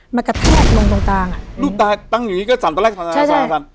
มากระแทกลงตรงกลางอ่ะรูปตาตั้งอย่างงี้ก็สั่นตอนแรกสั่น